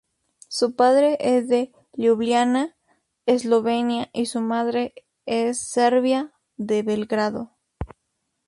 Su padre es de Liubliana, Eslovenia y su madre es serbia, de Belgrado.